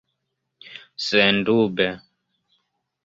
Sendube.